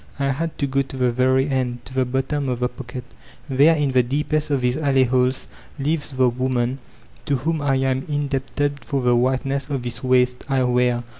I had to go to the very end, to the bottom of the pocket. There, in the deepest of these alley holes, lives the woman to whom I am indebted for the whiteness of this waist I wear.